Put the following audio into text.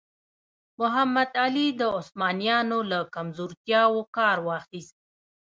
محمد علي د عثمانیانو له کمزورتیاوو کار واخیست.